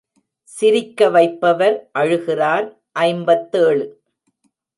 சிரிக்கவைப்பவர் அழுகிறார் ஐம்பத்தேழு.